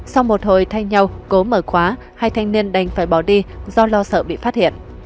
sau một hồi thay nhau cố mở khóa hai thanh niên đành phải bỏ đi do lo sợ bị phát hiện